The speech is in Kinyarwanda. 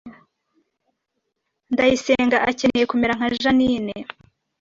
Ndayisenga akeneye kumera nka Jeaninne